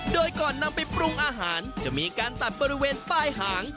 โดยก่อนนำไปปรุงอาหารจะมีการตัดบริเวณป้ายหาง